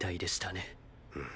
うん。